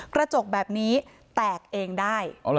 กระจกแบบนี้แตกเองได้